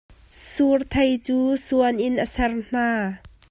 Surthei cu suan in a ser hna.